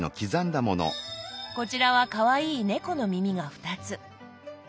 こちらはかわいい猫の耳が２つ。